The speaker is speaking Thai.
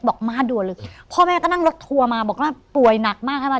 มาด่วนเลยพ่อแม่ก็นั่งรถทัวร์มาบอกว่าป่วยหนักมากใช่ไหม